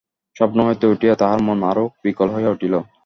স্বপ্ন হইতে উঠিয়া তাহার মন আরো বিকল হইয়া উঠিল।